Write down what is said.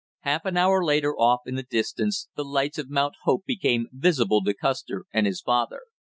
Half an hour later, off in the distance, the lights of Mount Hope became visible to Custer and his father.